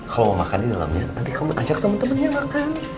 kalau mau makan di dalamnya nanti kamu ajak temen temennya makan